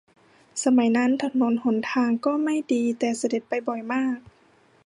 สมัยนั้นถนนหนทางก็ไม่ดีแต่เสด็จไปบ่อยมาก